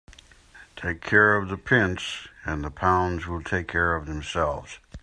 Take care of the pence and the pounds will take care of themselves.